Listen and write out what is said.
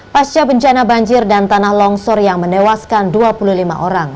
pasca bencana banjir dan tanah longsor yang menewaskan dua puluh lima orang